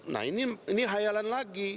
nah ini hayalan lagi